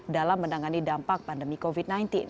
dalam menangani dampak pandemi covid sembilan belas